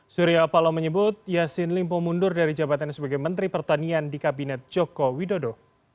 surya paloh menyebut yassin limpo mundur dari jabatannya sebagai menteri pertanian di kabinet joko widodo